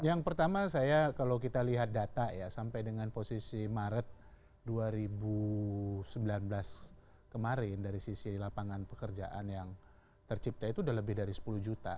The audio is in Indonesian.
yang pertama saya kalau kita lihat data ya sampai dengan posisi maret dua ribu sembilan belas kemarin dari sisi lapangan pekerjaan yang tercipta itu sudah lebih dari sepuluh juta